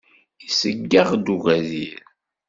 Iseggex d ugadir.